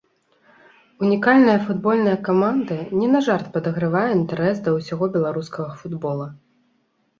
Унікальная футбольная каманда не на жарт падагравае інтарэс да ўсяго беларускага футбола.